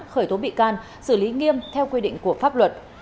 khởi tố bị can xử lý nghiêm theo quy định của pháp luật